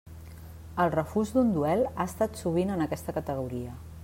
El refús d'un duel ha estat sovint en aquesta categoria.